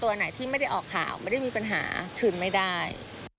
ตัวไหนที่ไม่ได้ออกข่าวไม่ได้มีปัญหาคืนไม่ได้